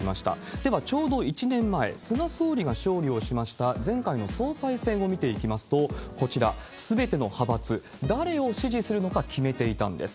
では、ちょうど１年前、菅総理が勝利をしました前回の総裁選を見ていきますと、こちらすべての派閥、誰を支持するのか決めていたんです。